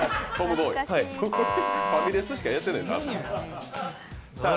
ファミレスしかやってないです。